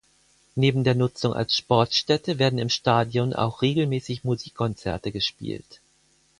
Neben der Nutzung als Sportstätte werden im Stadion auch regelmäßig Musikkonzerte gespielt.